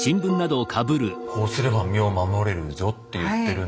こうすれば身を守れるぞって言ってるんですか？